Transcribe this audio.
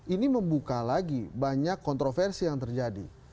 ini membuka lagi banyak kontroversi yang terjadi